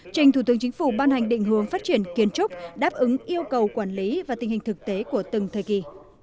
trình thủ tướng chính phủ ban hành định hướng phát triển kiến trúc đáp ứng yêu cầu quản lý và tình hình thực tế của từng thời kỳ